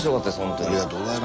ありがとうございます。